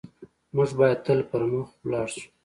موږ بايد تل پر مخ لاړ شو.